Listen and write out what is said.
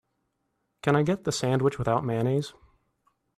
Can I get the sandwich without mayonnaise?